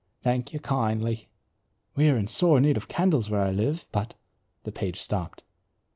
Thank you kindly." "We are in sore need of candles where I live, but " the page stopped.